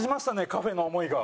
カフェの思いが。